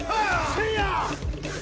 せいや！